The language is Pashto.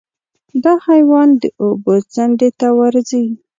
دا حیوان د اوبو څنډې ته ورځي.